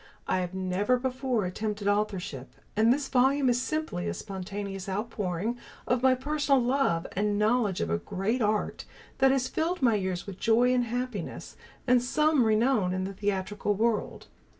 I have never before attempted authorship, and this volume is simply a spontaneous outpouring of my personal love and knowledge of a great art that has filled my years with joy and happiness, and some renown in the theatrical world.